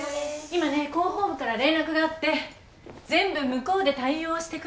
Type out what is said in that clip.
今ね広報部から連絡があって全部向こうで対応してくれるって。